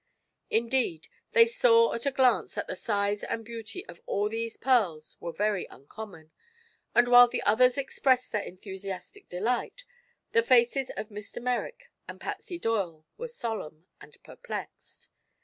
Indeed, they saw at a glance that the size and beauty of all these pearls were very uncommon, and while the others expressed their enthusiastic delight, the faces of Mr. Merrick and Patsy Doyle were solemn and perplexed.